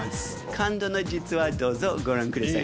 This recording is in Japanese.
感動の実話どうぞご覧ください。